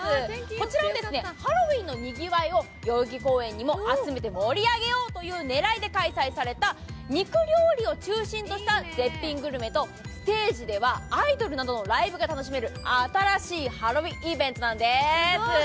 こちらはハロウィーンのにぎわいを代々木公園にも集めて盛り上げようというねらいで開催された肉料理を中心とした絶品グルメとステージではアイドルなどのライブが楽しめる新しいハロウィーンイベントなんです。